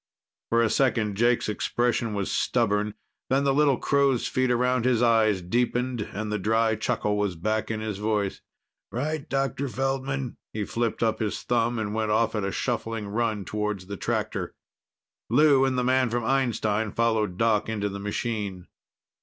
For a second, Jake's expression was stubborn. Then the little crow's feet around his eyes deepened and the dry chuckle was back in his voice. "Right, Dr. Feldman." He flipped up his thumb and went off at a shuffling run toward the tractor. Lou and the man from Einstein followed Doc into the machine.